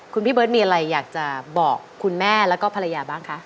คุณพี่เบิร์ตมีอะไรอยากจะบอกคุณแม่แล้วก็ภรรยาบ้างคะ